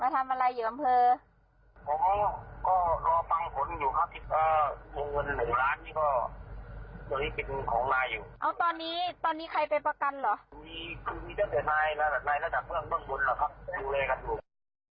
สวัสดีครับคุณผู้ชม